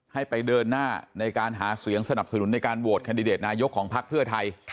ให้ไปเดินหน้าในการหาเสียงสนับสนุนในการโหวตแคนดิเดตนายกของพักเพื่อไทย